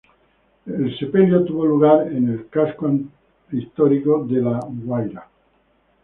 El sepelio tuvo lugar en el casco histórico de La Guaira.